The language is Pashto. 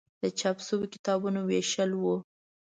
د چاپ شویو کتابونو ویشل و.